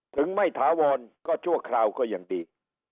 ถึงไม่ถาวรก็ชั่วคราวก็ยังดี